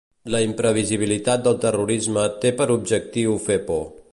La imprevisibilitat del terrorisme té per objectiu fer por.